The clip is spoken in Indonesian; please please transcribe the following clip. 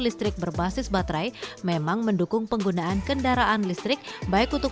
listrik berbasis baterai memang mendukung penggunaan kendaraan listrik baik untuk